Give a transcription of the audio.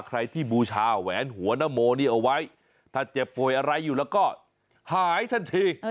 ใครที่บูชาแหวนหัวนโมนี่เอาไว้ถ้าเจ็บป่วยอะไรอยู่แล้วก็หายทันที